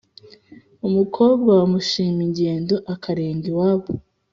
Umukobwa bamushima ingendo akarenga iwabo.